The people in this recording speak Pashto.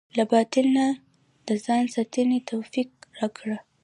له باطل نه د ځان ساتنې توفيق راکړه.